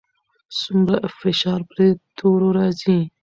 څومره فشار پر تورو راځي؟